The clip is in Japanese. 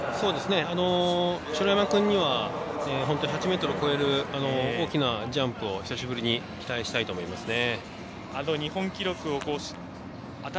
城山君には８ｍを超える大きなジャンプを久しぶりに期待したいと思いますね。